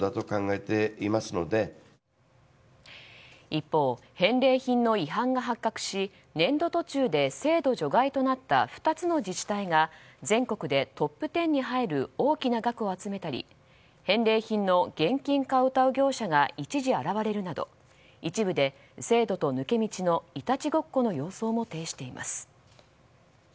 一方、返礼品の違反が発覚し年度途中で制度除外となった２つの自治体が全国でトップ１０に入る大きな額を集めたり返礼品の現金化をうたう業者が一時現れるなど一部で制度と抜け道のいたちごっこの様相も呈しています。